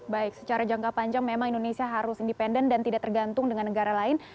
baik secara jangka panjang memang indonesia harus independen dan tidak tergantung dengan negara lain